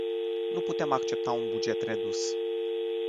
Nu putem accepta un buget redus.